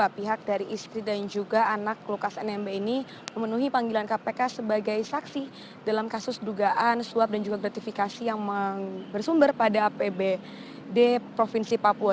pihak dari istri dan juga anak lukas nmb ini memenuhi panggilan kpk sebagai saksi dalam kasus dugaan suap dan juga gratifikasi yang bersumber pada apbd provinsi papua